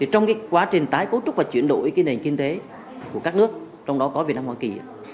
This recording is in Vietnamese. trong quá trình tái cấu trúc và chuyển đổi nền kinh tế của các nước trong đó có việt nam hoa kỳ